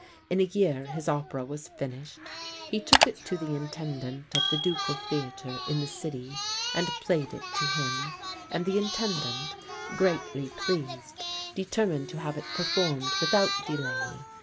In a year his opera was finished. He took it to the Intendant of the Ducal Theatre in the city and played it to him, and the Intendant, greatly pleased, determined to have it performed without delay.